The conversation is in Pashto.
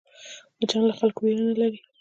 مچان له خلکو وېره نه لري